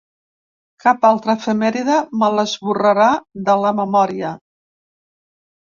Cap altra efemèride me l'esborrarà de la memòria.